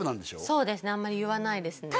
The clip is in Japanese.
そうですねあんまり言わないですね